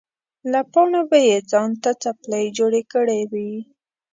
له پاڼو به یې ځان ته څپلۍ جوړې کړې وې.